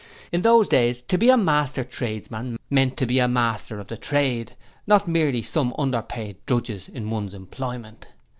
In those days to be a "master" tradesman meant to be master of the trade, not merely of some underpaid drudges in one's employment.